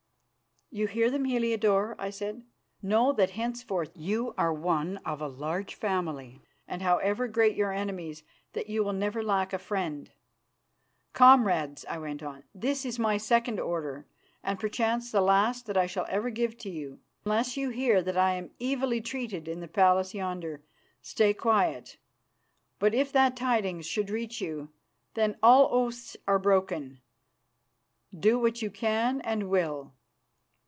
"You hear them, Heliodore," I said. "Know that henceforth you are one of a large family, and, however great your enemies, that you will never lack a friend. Comrades," I went on, "this is my second order, and perchance the last that I shall ever give to you. Unless you hear that I am evilly treated in the palace yonder, stay quiet. But if that tidings should reach you, then all oaths are broken. Do what you can and will."